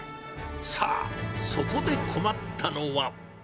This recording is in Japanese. さあ、そこで困ったのは。